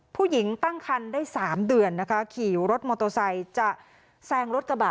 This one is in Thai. ผู้หญิงตั้งคันได้๓เดือนนะคะขี่รถมอเตอร์ไซค์จะแซงรถกระบะ